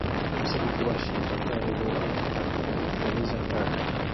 kuko bisa nko kubashinja ko ari bo bateje akaga